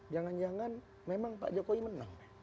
jangan jangan memang pak jokowi menang